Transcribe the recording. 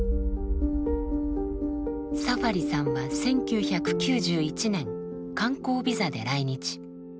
サファリさんは１９９１年観光ビザで来日。